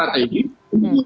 terima kasih pak jokowi